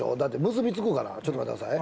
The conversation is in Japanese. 結び付くからちょっと待ってください。